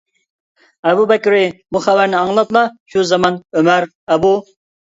ئەبۇ بەكرى بۇ خەۋەرنى ئاڭلاپلا شۇ زامان ئۆمەر، ئەبۇ.